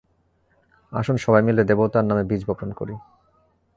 আসুন সবাই মিলে দেবতার নামে বীজ বপন করি।